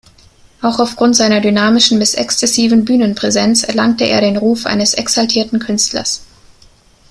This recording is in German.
Auch aufgrund seiner dynamischen bis exzessiven Bühnenpräsenz erlangte er den Ruf eines exaltierten Künstlers.